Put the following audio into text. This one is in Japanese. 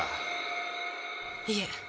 いえ。